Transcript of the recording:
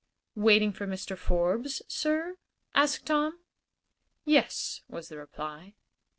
"Waiting for Mr. Forbes, sir?" asked Tom. "Yes," was the quiet reply.